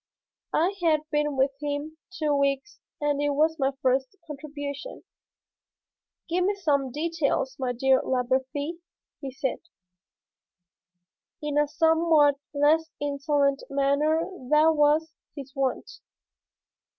I had been with him two weeks and it was my first contribution. "Give me some details, my dear Labarthe," he said, in a somewhat less insolent manner than was his wont.